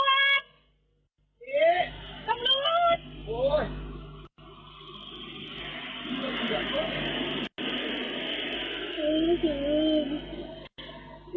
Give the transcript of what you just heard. สำรวจโอ้ย